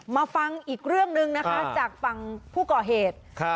มาฟังอีกเรื่องหนึ่งนะคะจากฝั่งผู้ก่อเหตุ